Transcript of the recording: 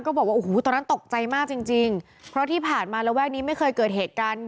บอกว่าโอ้โหตอนนั้นตกใจมากจริงจริงเพราะที่ผ่านมาระแวกนี้ไม่เคยเกิดเหตุการณ์